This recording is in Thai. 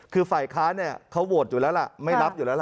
คือฝ่ายค้าเนี่ยเขาโหวตอยู่แล้วล่ะไม่รับอยู่แล้วล่ะ